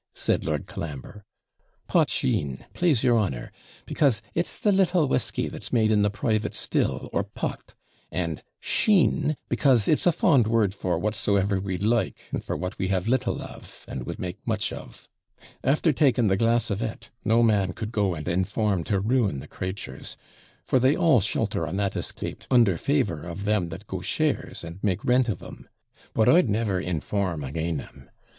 said Lord Colambre. POTSHEEN, plase your honour; becaase it's the little whisky that's made in the private still or pot; and SHEEN, becaase it's a fond word for whatsoever we'd like, and for what we have little of, and would make much of: after taking the glass of it, no man could go and inform to ruin the CRATURES, for they all shelter on that estate under favour of them that go shares, and make rent of 'em but I'd never inform again' 'em.